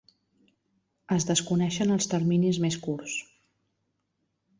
Es desconeixen els "terminis més curts".